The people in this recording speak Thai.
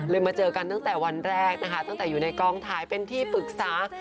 มาเจอกันตั้งแต่วันแรกนะคะตั้งแต่อยู่ในกองถ่ายเป็นที่ปรึกษา